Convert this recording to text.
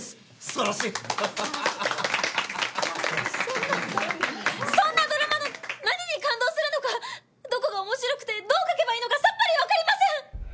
そんなそんなドラマの何に感動するのかどこが面白くてどう書けばいいのかさっぱりわかりません！